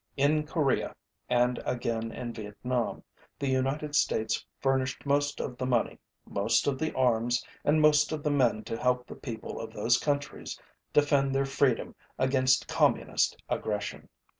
In Korea, and again in Vietnam, the United States furnished most of the money, most of the arms, and most of the men to help the people of those countries defend their freedom against Communist aggression.